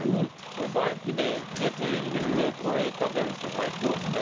これ、バイクでツーリングしてこれ食べるって最高ですね。